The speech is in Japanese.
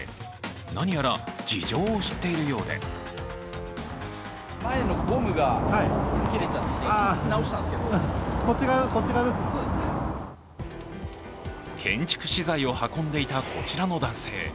何やら事情を知っているようで建築資材を運んでいたこちらの男性。